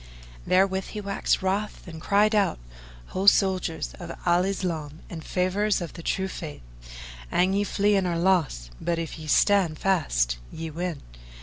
Therewith he waxed wroth and cried out, "Ho, soldiers of Al Islam and favourers of the True Faith, an you flee you are lost, but if ye stand fast, ye win!